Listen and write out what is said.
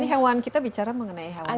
ini hewan kita bicara mengenai hewan hewan